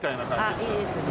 あっいいですね。